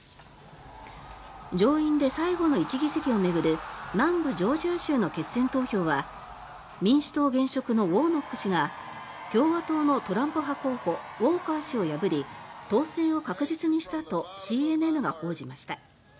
上院の最後の１議席を巡る南部ジョージア州の決選投票は民主党現職のウォーノック氏が共和党のトランプ派候補ウォーカー氏を破り当選を確実にしたとＣＮＮが報じました。